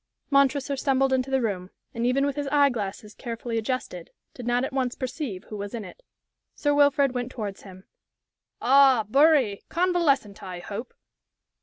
Montresor stumbled into the room, and even with his eye glasses carefully adjusted, did not at once perceive who was in it. Sir Wilfrid went towards him. "Ah, Bury! Convalescent, I hope?"